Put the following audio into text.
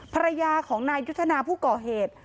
ภรรยาของนายยุทธนาผู้ก่อเหตุ